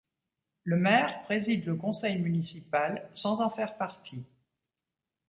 Le maire préside le conseil municipal sans en faire partie.